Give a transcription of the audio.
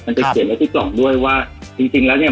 มันจะเกี่ยวกับที่สองด้วยว่าจริงแล้วเนี่ย